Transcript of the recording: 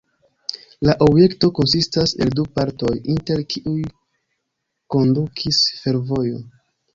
La objekto konsistas el du partoj, inter kiuj kondukis fervojo.